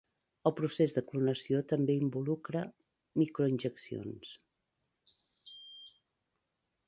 El procés de clonació també involucra microinjeccions.